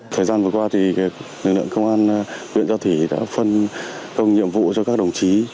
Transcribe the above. thời gian vừa qua lực lượng công an huyện giao thủy đã phân công nhiệm vụ cho các đồng chí